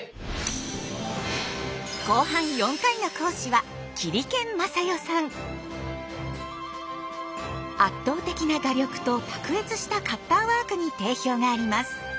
後半４回の講師は圧倒的な画力と卓越したカッターワークに定評があります。